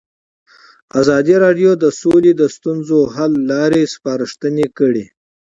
ازادي راډیو د سوله د ستونزو حل لارې سپارښتنې کړي.